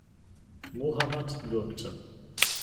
Mohammad würgte.